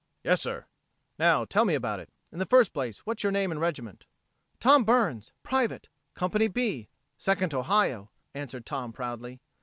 "Yes, sir." "Now, tell me about it. In the first place, what's your name and regiment?" "Tom Burns, private, Company B, Second Ohio," answered Tom proudly.